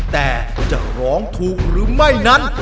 แต่จะร้องถูกหรือไม่นั้น